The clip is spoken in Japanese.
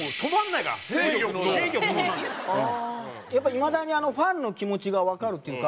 いまだにファンの気持ちがわかるっていうか。